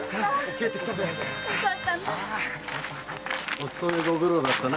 おつとめご苦労だったな。